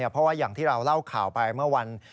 เพราะว่าอย่างที่เราเล่าข่าวไปเมื่อวัน